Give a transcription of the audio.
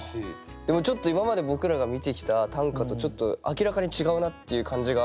でもちょっと今まで僕らが見てきた短歌とちょっと明らかに違うなっていう感じが。